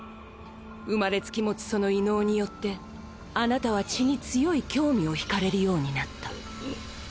生まれつき持つその異能によってあなたは血に強い興味を引かれるようになった。